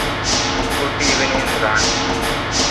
good evening Rani